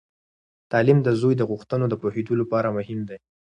تعلیم د زوی د غوښتنو د پوهیدو لپاره مهم دی.